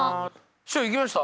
師匠行きました？